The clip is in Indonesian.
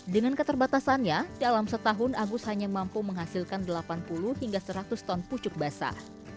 dengan keterbatasannya dalam setahun agus hanya mampu menghasilkan delapan puluh hingga seratus ton pucuk basah